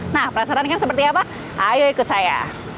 nah perasaan kalian seperti apa ayo ikut saya